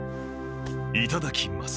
いただきます。